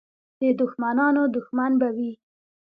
د دښمنانو دښمن به وي.